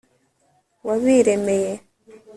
wabiremeye